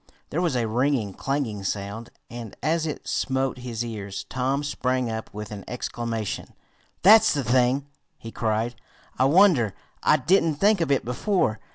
There was a ringing, clanging sound, and as it smote his ears Tom sprang up with an exclamation. "That's the thing!" he cried. "I wonder I didn't think of it before.